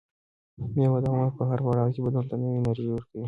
مېوه د عمر په هر پړاو کې بدن ته نوې انرژي ورکوي.